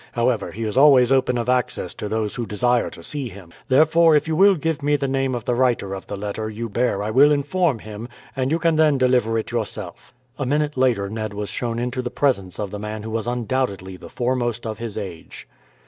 However, he is always open of access to those who desire to see him, therefore if you will give me the name of the writer of the letter you bear I will inform him, and you can then deliver it yourself." A minute later Ned was shown into the presence of the man who was undoubtedly the foremost of his age.